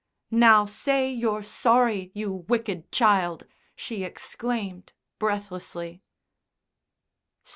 "Now say you're sorry, you wicked child!" she exclaimed breathlessly.